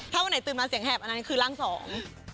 ถ้าวันไหนตื่นมาเสียงแหบอันนั้นคือร่างสอง